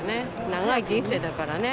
長い人生だからね。